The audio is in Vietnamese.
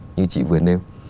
như chị vừa nêu